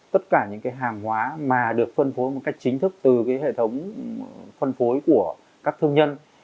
tất cả những cái hàng hóa mà được phân phối một cách chính thức từ hệ thống phân phối của các thương nhân